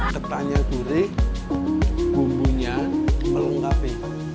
ketannya gurih bumbunya melengkapi